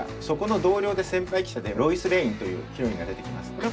そこの同僚で先輩記者でロイス・レインというヒロインが出てきます。